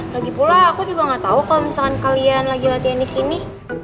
lagipula aku juga gak tau kalau misalkan kalian lagi latihan disini